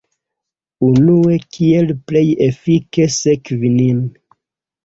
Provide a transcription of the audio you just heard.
Unue, kiel plej efike sekvi nin